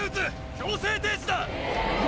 強制停止だ。